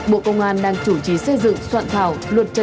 bộ công an đang chủ trì xây dựng soạn thảo luật